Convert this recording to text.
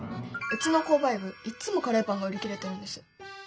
うちの購買部いっつもカレーパンが売り切れてるんです。